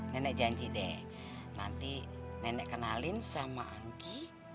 nenek janji deh nanti nenek kenalin sama angki